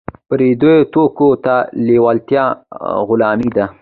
پردیو توکو ته لیوالتیا غلامي ده.